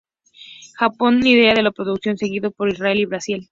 Japón lidera la producción, seguido por Israel y Brasil.